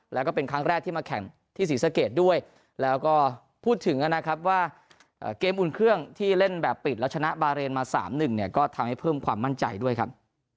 แล้วก็เป็นครั้งแรกที่มาแข่งที่ศรีสะเกดด้วยแล้วก็พูดถึงนะครับว่าเกมอุ่นเครื่องที่เล่นแบบปิดแล้วชนะบาเรนมา๓๑เนี่ยก็ทำให้เพิ่มความมั่นใจด้วยครับ